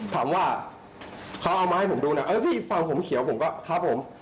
ถามว่าเขาเอามาให้ผมดูเนี่ยเออพี่ฟังผมเขียวผมก็ครับผม